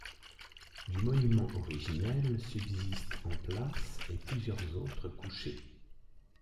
Du monument originel subsistent en place et plusieurs autres couchées.